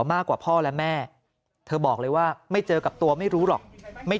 มากกว่าพ่อและแม่เธอบอกเลยว่าไม่เจอกับตัวไม่รู้หรอกไม่